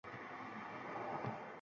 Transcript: Dil tubiga cho’kmaydi.